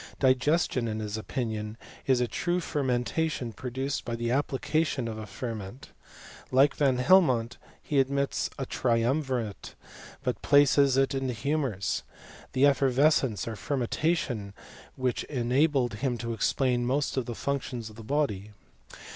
Digestion, in his opinion, is a true fer mentation produced by the application of a ferment. Like Van Helmont, he admits a triumvirate; but places it in the humours ; the effervescence or fermentation of which enabled him to explain most of the functions of the body.